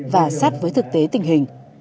và sát với thực tế tình hình